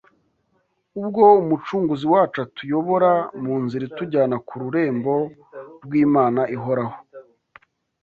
Ubwo Umucunguzi wacu atuyobora mu nzira itujyana ku rurembo rw’Imana ihoraho